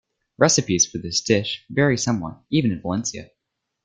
Recipes for this dish vary somewhat, even in Valencia.